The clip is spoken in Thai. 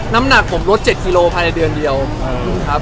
น้ำหนักผมลด๗กิโลภายในเดือนเดียวครับ